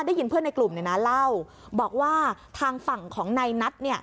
ได้ยินเพื่อนในกลุ่มเนี่ยนะเล่าบอกว่าทางฝั่งของนายนัท